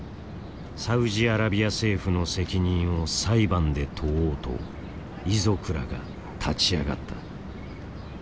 サウジアラビア政府の責任を裁判で問おうと遺族らが立ち上がった。